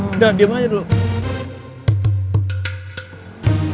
udah diem aja dulu